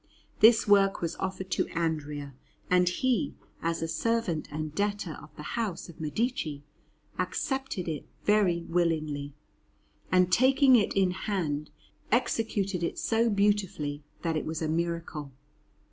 This work was offered to Andrea, and he, as a servant and debtor of the house of Medici, accepted it very willingly, and, taking it in hand, executed it so beautifully that it was a miracle.